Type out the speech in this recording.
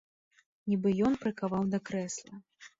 Нібы ён прыкаваў да крэсла.